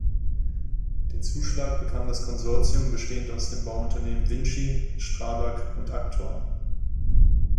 Den Zuschlag bekam das Konsortium bestehend aus den Bauunternehmen Vinci, Strabag und Aktor.